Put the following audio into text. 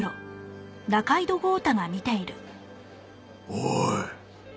おい！